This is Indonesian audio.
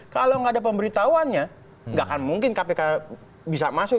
kalau nggak ada pemberitahuannya nggak akan mungkin kpk bisa masuk